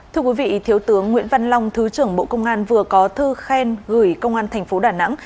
thưa quý vị thiếu tướng nguyễn văn long thứ trưởng bộ công an vừa có thư khen gửi công an thành phố đà nẵng